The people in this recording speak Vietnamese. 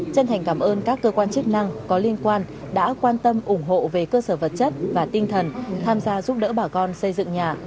chân thành cảm ơn các cơ quan chức năng có liên quan đã quan tâm ủng hộ về cơ sở vật chất và tinh thần tham gia giúp đỡ bà con xây dựng nhà